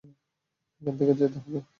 এখান থেকে যেতে হবে।